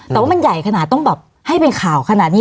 แต่ว่ามันใหญ่ขนาดต้องแบบให้เป็นข่าวขนาดนี้